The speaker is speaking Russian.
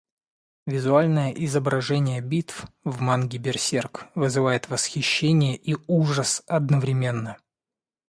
Визуальное изображение битв в манге Берсерк вызывает восхищение и ужас одновременно.